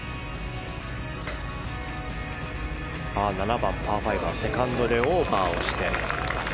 ７番、パー５はセカンドでオーバーをして。